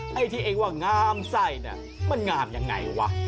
ฮ่าไอ้ที่เองว่างามไส้มันงามยังไงวะ